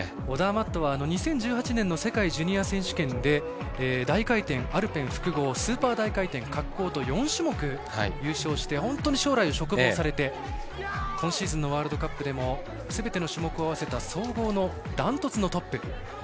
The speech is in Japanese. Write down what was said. オダーマットは２０１８年の世界ジュニア選手権で大回転、アルペン複合スーパー大回転、滑降と４種目、優勝して将来を嘱望されて今シーズンのワールドカップでもすべての種目を合わせた総合の、ダントツのトップ。